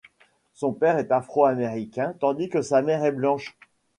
Son père est afro-américain, tandis que sa mère est blanche.